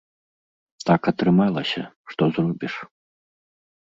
Так атрымалася, што зробіш.